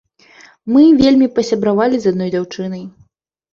Мы вельмі пасябравалі з адной дзяўчынай.